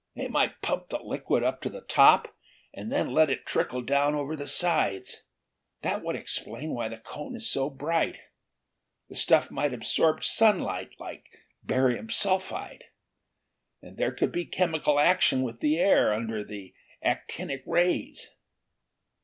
"They might pump the liquid up to the top, and then let it trickle down over the sides: that would explain why the cone is so bright. The stuff might absorb sunlight, like barium sulphide. And there could be chemical action with the air, under the actinic rays."